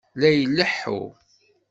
La ileḥḥu.